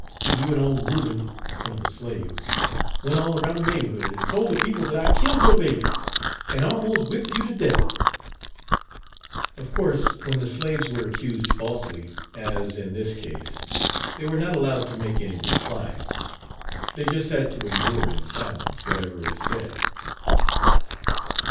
You and old Ruben (one of the slaves) went all around the neighborhood and told the people that I killed your babies, and almost whipped you to death." Of course, when the slaves were accused falsely, as in this case, they were not allowed to make any reply they just had to endure in silence whatever was said.